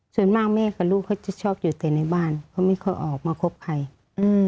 ส่วนมากแม่กับลูกเขาจะชอบอยู่แต่ในบ้านเขาไม่ค่อยออกมาคบใครอืม